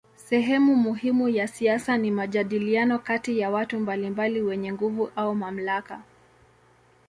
Sehemu muhimu ya siasa ni majadiliano kati ya watu mbalimbali wenye nguvu au mamlaka.